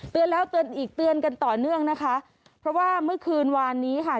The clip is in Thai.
เตือนแล้วเตือนอีกเตือนกันต่อเนื่องนะคะเพราะว่าเมื่อคืนวานนี้ค่ะ